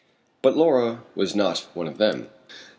But Laura was not one of them.